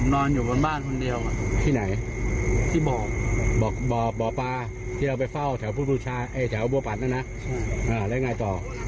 นอนอยู่บนบ้านคนเดียวอะที่บ่อป่าที่เราไปเฝ้าแถวบัวปันนะนะแล้วยังไงต่อ